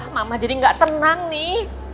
mama jadi nggak tenang nih